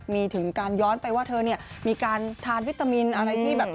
มีถึงการย้อนไปว่าเธอเนี่ยมีการทานวิตามินอะไรที่แบบ